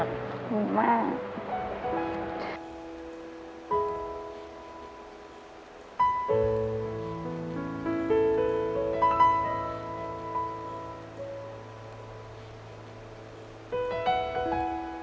ขอบคุณมาก